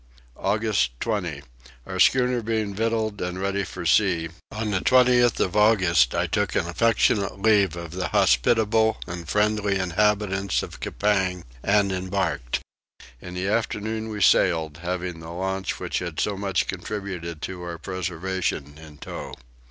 August 20. Our schooner being victualled and ready for sea, on the 20th of August I took an affectionate leave of the hospitable and friendly inhabitants of Coupang and embarked. In the afternoon we sailed, having the launch which had so much contributed to our preservation in tow.